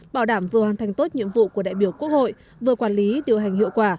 bảo đảm vừa hoàn thành tốt nhiệm vụ của đại biểu quốc hội vừa quản lý điều hành hiệu quả